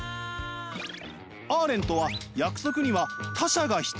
アーレントは約束には他者が必要だといいました。